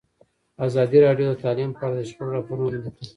ازادي راډیو د تعلیم په اړه د شخړو راپورونه وړاندې کړي.